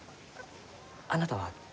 あなたは？